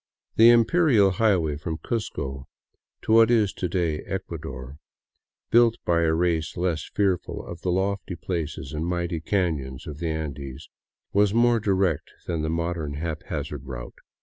The imperial highway from Cuzco to what is to day Ecuador, built by a race less fearful of the lofty places and mighty canons of the Andes, was more direct than the modern haphazard route.